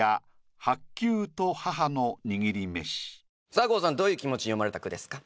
さあ郷さんどういう気持ちで詠まれた句ですか？